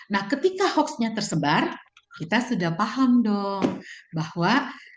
nah ketika hoaxnya tersebar kita sudah paham dong bahwa